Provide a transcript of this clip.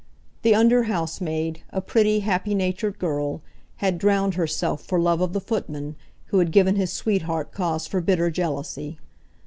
The under housemaid, a pretty, happy natured girl, had drowned herself for love of the footman, who had given his sweetheart cause for bitter jealousy.